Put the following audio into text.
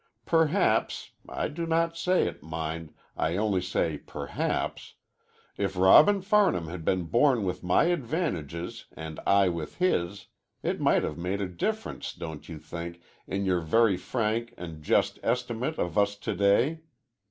Perhaps I do not say it, mind, I only say perhaps if Robin Farnham had been born with my advantages and I with his, it might have made a difference, don't you think, in your very frank and just estimate of us to day?